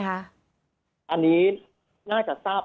ตอนนี้ยังไม่ได้นะครับ